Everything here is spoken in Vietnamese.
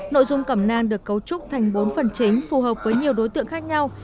nội dung cẩm nang được cấu trúc thành bốn phần chính phù hợp với nhiều đối tượng khác nhau